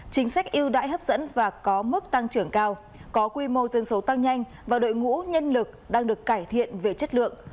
chính sách yêu đãi hấp dẫn và có mức tăng trưởng cao có quy mô dân số tăng nhanh và đội ngũ nhân lực đang được cải thiện về chất lượng